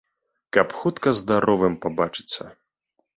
Каб хутка здаровым пабачыцца.